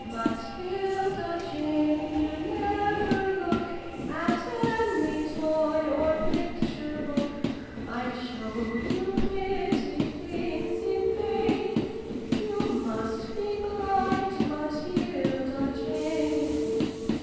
"Matilda Jane, you never look At any toy or picture book : I show you pretty things in vain You must be blind, Matilda Jane